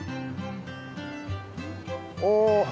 お！